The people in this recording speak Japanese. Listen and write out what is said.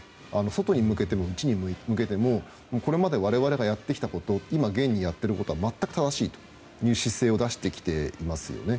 外に向けても内に向けてもこれまで我々がやってきたこと今、現にやっていることは全く正しいという姿勢を出してきていますよね。